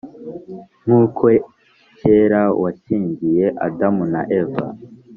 nkuko kera washyingiye adam na eva